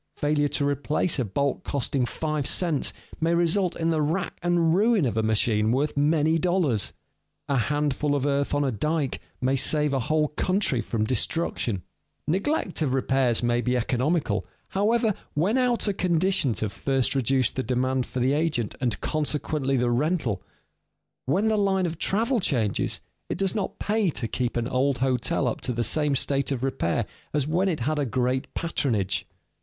Failure to replace a bolt costing five cents may result in the rack and ruin of a machine worth many dollars. A handful of earth on a dike may save a whole country from destruction. [Sidenote: But sometimes is economical] Neglect of repairs may be economical, however, when outer conditions have first reduced the demand for the agent and consequently the rental. When the line of travel changes, it does not pay to keep an old hotel up to the same state of repair as when it had a great patronage.